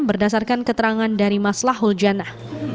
berdasarkan keterangan dari mas lahul jannah